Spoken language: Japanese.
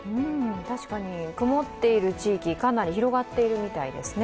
確かに曇っている地域、かなり広がっているみたいですね。